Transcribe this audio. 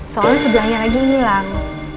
soalnya sebelahnya lagi ilang